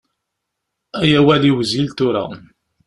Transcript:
Ay awal iwzil tura.